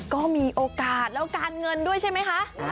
ก็มีโอกาสแล้วการเงินด้วยใช่ไหมคะ